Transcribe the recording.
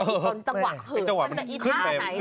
อยากมีคนจังหวะเหิน